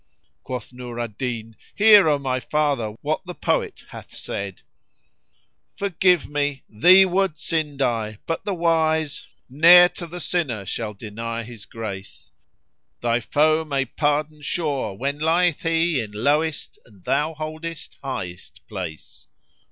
Quoth Nur al Din, "Hear, O my father, what the poet hath said, 'Forgive me! thee ward sinned I, but the wise * Ne'er to the sinner shall deny his grace: Thy foe may pardon sue when lieth he * In lowest, and thou holdest highest place!'"